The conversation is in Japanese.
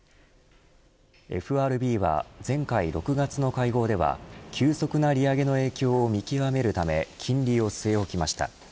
ＦＲＢは前回６月の会合では急速な利上げの影響を見極めるため金利を据え置きました。